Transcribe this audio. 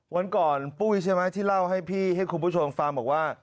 วันก่อนปุ้ยใช่ไหมที่เล่าให้พี่ให้คุณผู้ชมฟังบอกว่า